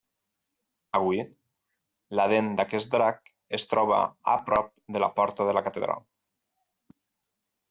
Avui, la dent d'aquest drac es troba a prop de la porta de la catedral.